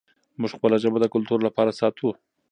موږ خپله ژبه د کلتور لپاره ساتو.